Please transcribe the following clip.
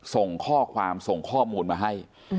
ส่งข้อความส่งข้อมูลมาให้